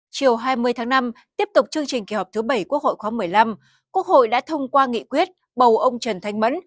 chiều hai mươi tháng năm tiếp tục chương trình kỳ họp thứ bảy quốc hội khóa một mươi năm quốc hội đã thông qua nghị quyết bầu ông trần thanh mẫn